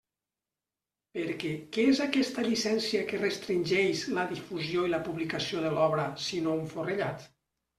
Perquè ¿què és aquesta llicència que restringeix la difusió i la publicació de l'obra sinó un forrellat?